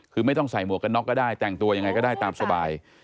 คือไม่ต้องใส่หมวกกันน็อกก็ได้แต่งตัวยังไงก็ได้ตามสบาย